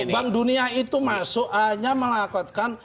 bank dunia itu masuk hanya melakotkan